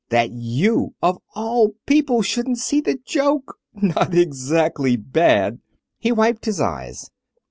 That you, of all people, shouldn't see the joke. Not exactly bad!" He wiped his eyes.